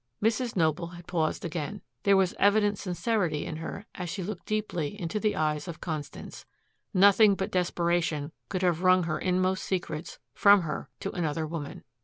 Mrs. Noble had paused again. There was evident sincerity in her as she looked deeply into the eyes of Constance. Nothing but desperation could have wrung her inmost secrets from her to another woman.